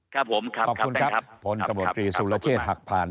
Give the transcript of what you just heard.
ครับผมครับท่านครับ